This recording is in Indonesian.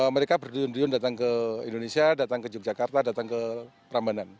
mereka berdun duyun datang ke indonesia datang ke yogyakarta datang ke prambanan